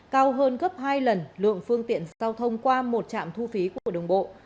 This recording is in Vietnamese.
cao hơn gấp hai lần lượng phương tiện giao thông qua một trạm thu phí của đồng bộ